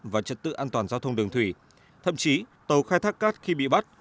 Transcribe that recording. và trật tự an toàn giao thông đường thủy thậm chí tàu khai thác cát khi bị bắt